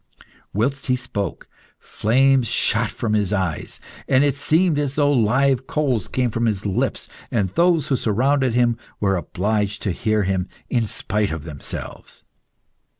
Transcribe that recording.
Whilst he spoke flames shot from his eyes; an it seemed as though live coals came from his lips and those who surrounded him were obliged to hear him in spite of themselves.